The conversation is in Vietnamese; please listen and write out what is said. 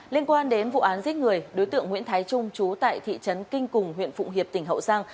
liên quan đến vụ án giết người đối tượng nguyễn thái trung chú tại thị trấn kinh cùng huyện phụng hiệp tỉnh hậu giang